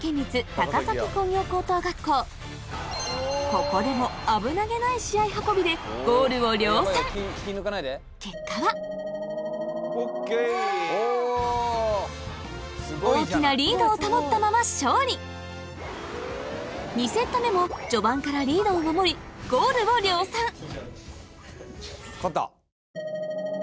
ここでも危なげない試合運びで結果は大きなリードを保ったまま勝利２セット目も序盤からリードを守りゴールを量産勝った。